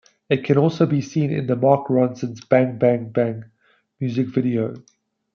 It can also be seen in the Mark Ronson's Bang Bang Bang music video.